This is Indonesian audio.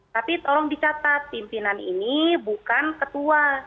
tapi tolong dicatat pimpinan ini bukan ketua